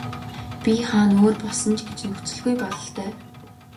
Бие хаа нь өөр болсон ч гэж нөхцөлгүй бололтой.